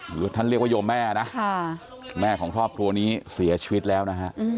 หรือท่านเรียกว่าโยมแม่นะแม่ของครอบครัวนี้เสียชีวิตแล้วนะฮะ